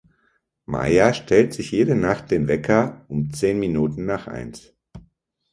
Maja stellt sich jede Nacht den Wecker um zehn Minuten nach eins.